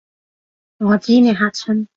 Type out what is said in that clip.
我知你嚇親